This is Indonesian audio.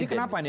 ini kenapa nih